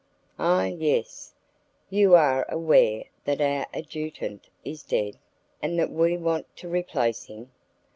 "Ah! yes, you are aware that our adjutant is dead, and that we want to replace him.